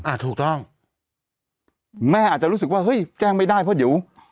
ถูกต้องแม่อาจจะรู้สึกว่าเฮ้ยแจ้งไม่ได้เพราะเดี๋ยว